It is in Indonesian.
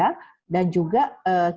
dan juga tidak ada penularan kepada hewan